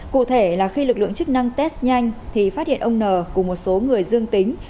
cụ thể là khi lực lượng chức năng test nhanh thì phát hiện ông n cùng một số người dương tính